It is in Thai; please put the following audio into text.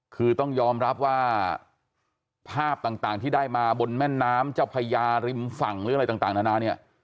คือต้องยอมรับว่าภาพต่างที่ได้มาบนแม่น้ำเจ้าพญาริมฝั่งหรืออะไรต่างนานาเนี่ย